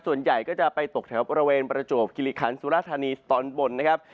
ส่วนใหญ่ก็จะไปตกแถวบริเวณประจวบคิริคันสุราธานีตอนบนนะครับ